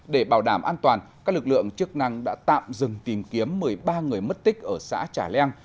để bảo đảm an toàn các lực lượng chức năng đã tạm dừng tìm kiếm một mươi ba người mất tích ở xã trà leng